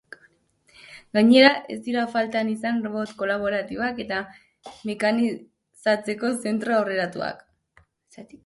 Gainera, ez dira falta izan robot kolaboratiboak eta mekanizatzeko zentro aurreratuak.